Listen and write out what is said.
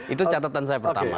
itu catatan saya pertama